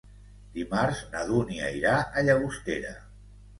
Dimarts na Dúnia irà a Llagostera.